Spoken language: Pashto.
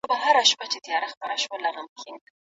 ژباړه کول یوازې کلمې نه دي.